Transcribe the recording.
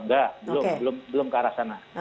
enggak belum belum ke arah sana